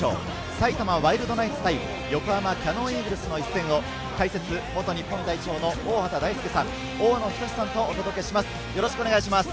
埼玉ワイルドナイツ対横浜キヤノンイーグルスの一戦を解説・元日本代表の大畑大介さん、大野均さんとお届けします。